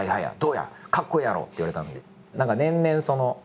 かっこええやろ？」って言われたんで。